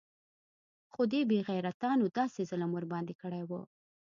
خو دې بې غيرتانو داسې ظلم ورباندې کړى و.